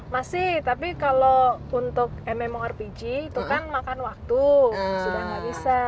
masih tapi kalau untuk mmo lpg itu kan makan waktu sudah nggak bisa